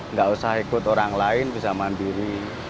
nggak usah ikut orang lain bisa mandiri